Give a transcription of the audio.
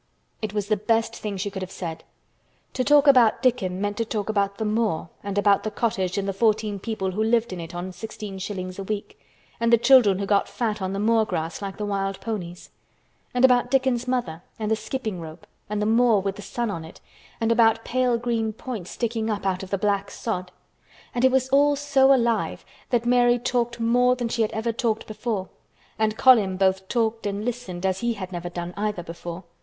It was the best thing she could have said. To talk about Dickon meant to talk about the moor and about the cottage and the fourteen people who lived in it on sixteen shillings a week—and the children who got fat on the moor grass like the wild ponies. And about Dickon's mother—and the skipping rope—and the moor with the sun on it—and about pale green points sticking up out of the black sod. And it was all so alive that Mary talked more than she had ever talked before—and Colin both talked and listened as he had never done either before.